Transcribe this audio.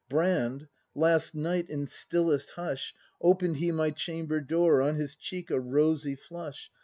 Brand, — last night, in stillest busli, Open'd he my chamber door. On his cheek a rosy flush.